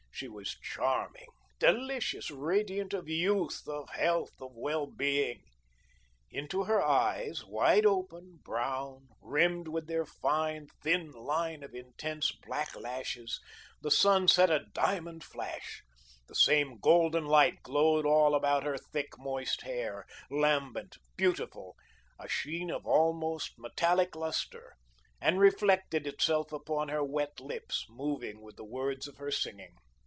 She was charming, delicious, radiant of youth, of health, of well being. Into her eyes, wide open, brown, rimmed with their fine, thin line of intense black lashes, the sun set a diamond flash; the same golden light glowed all around her thick, moist hair, lambent, beautiful, a sheen of almost metallic lustre, and reflected itself upon her wet lips, moving with the words of her singing.